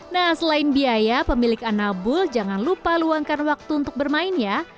nah selain biaya pemilik anabul jangan lupa luangkan waktu untuk bermain ya